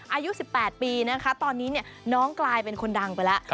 อายุ๑๘ปีนะคะตอนนี้น้องกลายเป็นคนดังไปแล้ว